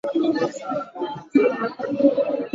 Muungano na kuanzisha Shirikisho la Madola ya Amerika